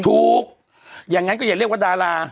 ถูกอย่างนั้นก็อย่าเรียกว่าดารา